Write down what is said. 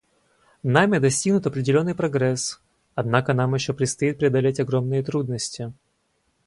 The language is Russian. Нами достигнут определенный прогресс, однако нам еще предстоит преодолеть огромные трудности.